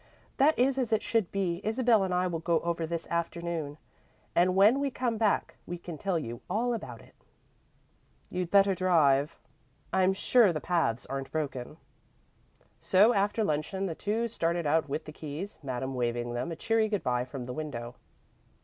"That is as it should be. Isabel and I will go over this afternoon, and when we come back, we can tell you all about it." "You'd better drive I'm sure the paths aren't broken." So, after luncheon, the two started out with the keys, Madame waving them a cheery good bye from the window.